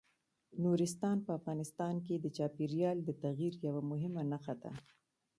نورستان په افغانستان کې د چاپېریال د تغیر یوه مهمه نښه ده.